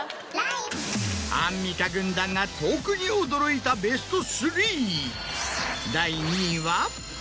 アンミカ軍団が特に驚いたベスト３。